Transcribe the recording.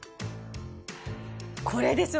これですよ！